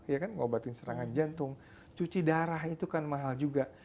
ya kan ngobatin serangan jantung cuci darah itu kan mahal juga